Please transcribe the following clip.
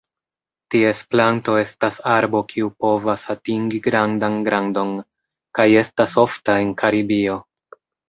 Ties planto estas arbo kiu povas atingi grandan grandon, kaj estas ofta en Karibio.